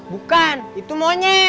bukan itu monyet